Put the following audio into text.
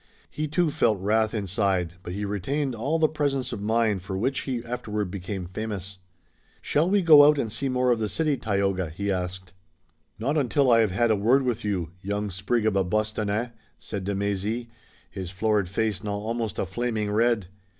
He too felt wrath inside, but he retained all the presence of mind for which he afterward became famous. "Shall we go out and see more of the city, Tayoga?" he asked. "Not until I have had a word with you, young sprig of a Bostonnais," said de Mézy, his florid face now almost a flaming red.